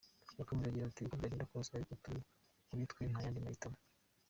Yakomeje agira ati “Uko byagenda kose ariko kuri twe nta yandi mahitamo.